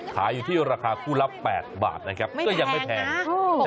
ขายอยู่ที่ราคาคู่ละ๘บาทนะครับก็ยังไม่แพง